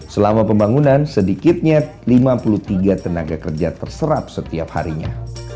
selama pembangunan sedikitnya lima puluh tiga tenaga kerja terserap setiap harinya